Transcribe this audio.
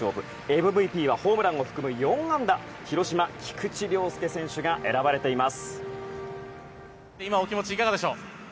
ＭＶＰはホームランを含む４安打広島、菊池涼介選手が選ばれています。